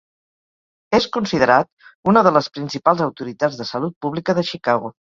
És considerat una de les principals autoritats de Salut Pública de Chicago.